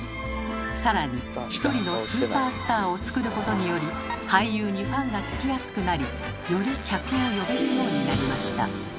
さらに１人のスーパースターをつくることにより俳優にファンがつきやすくなりより客を呼べるようになりました。